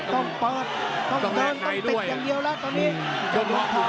ต้องต้องกินยาวละตอนนี้